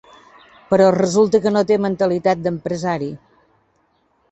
Però resulta que no té mentalitat d'empresari.